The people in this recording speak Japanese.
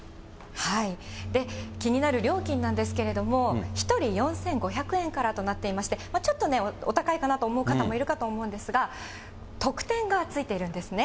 気になる料金なんですけれども、１人４５００円からとなっていまして、ちょっとね、お高いかなと思う方もいるかと思うんですが、特典がついているんですね。